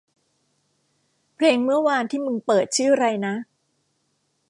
เพลงเมื่อวานที่มึงเปิดชื่อไรนะ